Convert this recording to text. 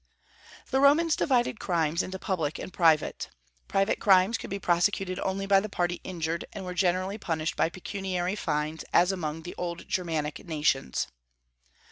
The Romans divided crimes into public and private. Private crimes could be prosecuted only by the party injured, and were generally punished by pecuniary fines, as among the old Germanic nations.